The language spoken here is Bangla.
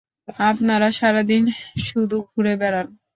আপনারা সারাদিন শুধু ঘুরে বেড়ান।